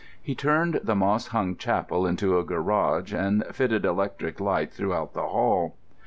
He turned the moss hung chapel into a garage, and fitted electric light throughout the Hall.